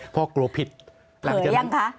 เพราะกลัวผิดเผยยังคะ